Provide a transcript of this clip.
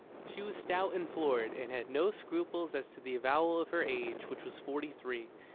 She was stout and florid, and had no scruples as to the avowal of her age, which was forty three.